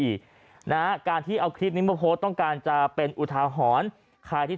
นะฮะการที่เอาคลิปนี้มาโพสต์ต้องการจะเป็นอุทาหรณ์ใครที่